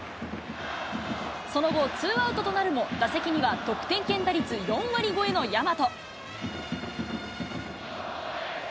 その後、ツーアウトとなるも、打席には得点圏打率４割超えの大和。